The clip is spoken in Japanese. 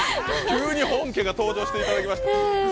急に本家が登場していただきました。